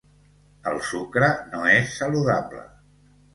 El sucre no és saludable.